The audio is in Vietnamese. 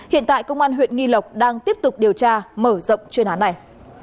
hiện tại công an huyện nghi lộc đang tiếp tục điều tra mở rộng chuyên án này